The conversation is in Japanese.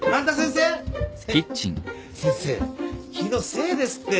せ先生気のせいですって。